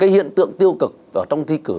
hiện tượng tiêu cực trong thi cử